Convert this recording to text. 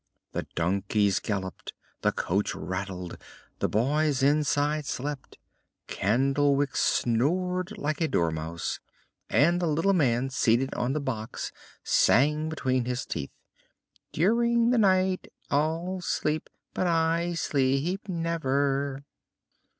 The donkeys galloped, the coach rattled, the boys inside slept, Candlewick snored like a dormouse, and the little man seated on the box sang between his teeth: "During the night all sleep, But I sleep never."